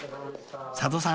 ［佐渡さん